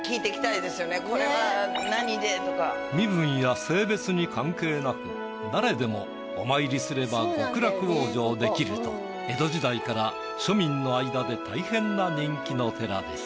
身分や性別に関係なく誰でもお参りすれば極楽往生できると江戸時代から庶民の間でたいへんな人気の寺です。